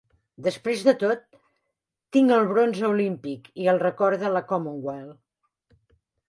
Després de tot, tinc el bronze olímpic i el record de la Commonwealth.